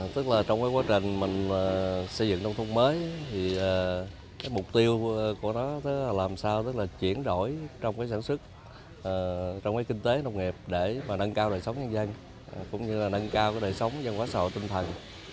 tức là trong quá trình xây dựng nông thôn mới mục tiêu của nó là làm sao chuyển đổi trong sản xuất trong kinh tế nông nghiệp để nâng cao đời sống nhân dân cũng như nâng cao đời sống dân quá sở tinh thần